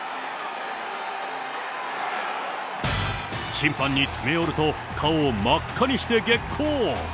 審判に詰め寄ると顔を真っ赤にして激高。